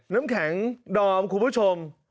น้ำแข็งดอมคุณผู้ชม